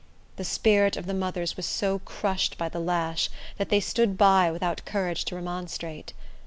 The spirit of the mothers was so crushed by the lash, that they stood by, without courage to remonstrate.